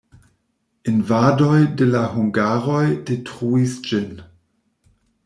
Invadoj de la hungaroj detruis ĝin.